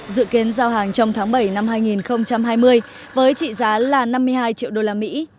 dự kiến giao hàng trong tháng bảy năm hai nghìn hai mươi với trị giá là năm mươi hai triệu đô la mỹ